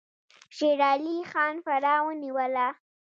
شیر علي خان فراه ونیوله.